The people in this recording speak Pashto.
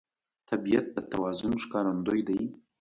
طبیعت د توازن ښکارندوی دی.